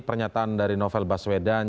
pernyataan dari novel baswedan